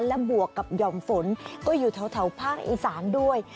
และบวกกับหย่อมฝนก็อยู่แถวภาคอีสานด้วย